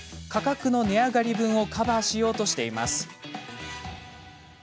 価格の値上がり分をカバーしようとしています。